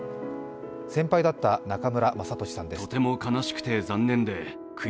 先輩だった中村雅俊さんです。